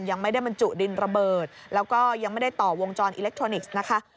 ยังไม่ได้บรรจุดินระเบิดแล้วก็ยังไม่ได้ต่อวงจรอิเล็กทรอนิกส์นะคะ